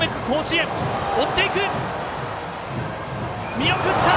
見送った！